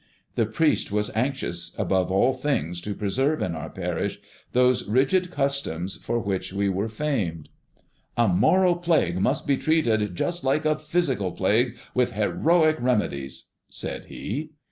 The priest was anxious above all things to preserve in our parish those rigid customs for which we were famed. "A moral plague must be treated just like a physical plague, with heroic remedies," said he.